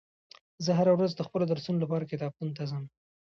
زه هره ورځ د خپلو درسونو لپاره کتابتون ته ځم